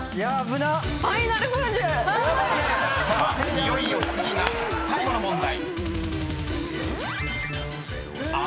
いよいよ次が最後の問題］